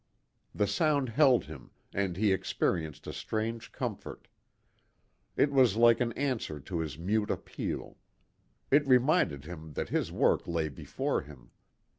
The sound held him, and he experienced a strange comfort. It was like an answer to his mute appeal. It reminded him that his work lay before him.